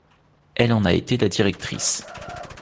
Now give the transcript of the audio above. Elle en a été la directrice.